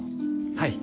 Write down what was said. はい。